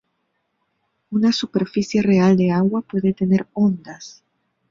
Una superficie real de agua puede tener ondas.